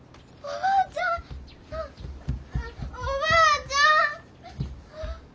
おばあちゃん！